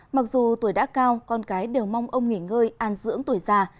mặc dù tuổi đã cao con cái đều mong ông nghỉ ngơi an dưỡng tuổi già